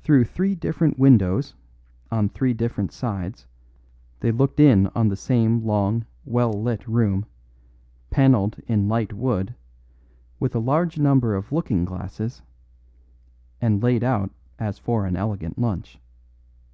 Through three different windows on three different sides they looked in on the same long, well lit room, panelled in light wood, with a large number of looking glasses, and laid out as for an elegant lunch.